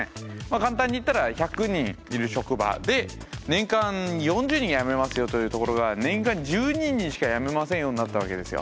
簡単に言ったら１００人いる職場で年間４０人辞めますよというところが年間１２人しか辞めませんよになったわけですよ。